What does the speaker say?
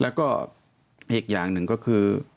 แล้วก็อีกอย่างหนึ่งก็คือ